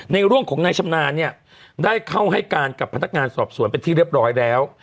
ในเรื่องของนายชำนาญเนี่ยได้เข้าให้การกับพนักงานสอบสวนเป็นที่เรียบร้อยแล้ว